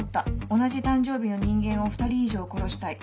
同じ誕生日の人間を２人以上殺したい。